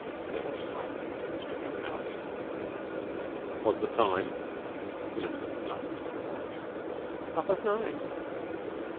There was silence in the stricken house. 'What's the time?' Elizabeth glanced at her watch. 'Half past nine.'